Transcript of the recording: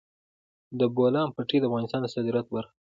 د بولان پټي د افغانستان د صادراتو برخه ده.